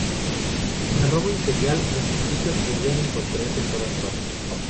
En la Roma imperial los escritos podían encontrarse en todas partes.